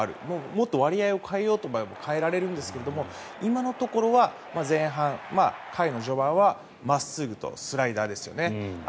もっと割合を変えようと思えば変えられるんですが今のところは前半、回の序盤は真っすぐとスイーパーですよね